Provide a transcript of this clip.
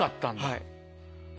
はい。